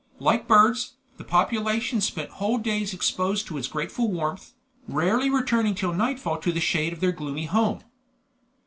Like birds, the population spent whole days exposed to its grateful warmth, rarely returning till nightfall to the shade of their gloomy home.